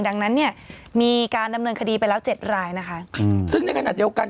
ดังนั้นเนี่ยมีการดำเนินคดีไปแล้วเจ็ดรายนะคะอืมซึ่งในขณะเดียวกัน